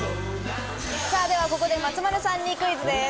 ここで松丸さんにクイズです。